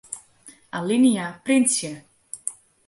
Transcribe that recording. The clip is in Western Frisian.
Alinea printsje.